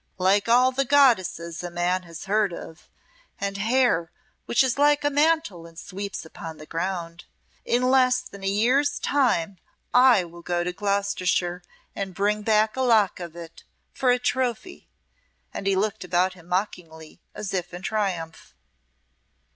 like all the goddesses a man has heard of and hair which is like a mantle and sweeps upon the ground. In less than a year's time I will go to Gloucestershire and bring back a lock of it for a trophy." And he looked about him mockingly, as if in triumph.